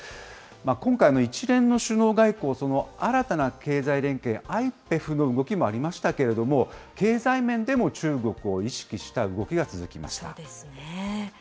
今回の一連の首脳外交、その新たな経済連携、ＩＰＥＦの動きもありましたけれども、経済面でも中国を意識した動きが続きました。